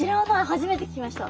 初めて聞きました。